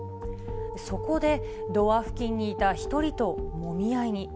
そこで、ドア付近にいた１人ともみ合いに。